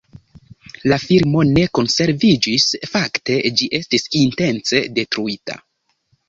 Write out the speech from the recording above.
La filmo ne konserviĝis, fakte ĝi estis intence detruita.